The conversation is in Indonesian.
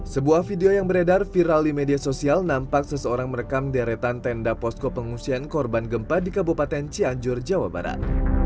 sebuah video yang beredar viral di media sosial nampak seseorang merekam deretan tenda posko pengungsian korban gempa di kabupaten cianjur jawa barat